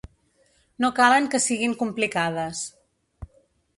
No calen que siguin complicades.